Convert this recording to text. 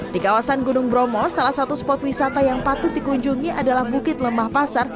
di kawasan gunung bromo salah satu spot wisata yang patut dikunjungi adalah bukit lemah pasar